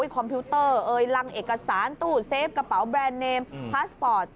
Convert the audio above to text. คอมพิวเตอร์เอยรังเอกสารตู้เซฟกระเป๋าแบรนด์เนมพาสปอร์ต